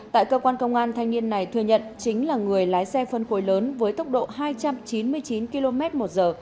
tại cơ quan công an thanh niên này thừa nhận chính là người lái xe phân khối lớn với tốc độ hai trăm chín mươi chín km một giờ